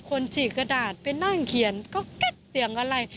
ฉีกกระดาษไปนั่งเขียนก็เก็ตเสียงอะไร